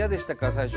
最初。